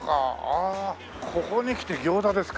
ああここに来て餃子ですか。